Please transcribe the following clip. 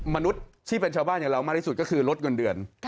มนุษย์ที่เป็นชาวบ้านอย่างเรามากที่สุดก็คือลดเงินเดือน